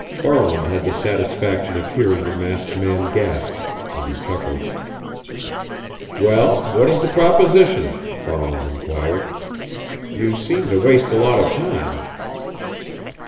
Farland had the satisfaction of hearing the masked man gasp, and he chuckled. "Well, what is the proposition?" Farland inquired. "You seem to waste a lot of time."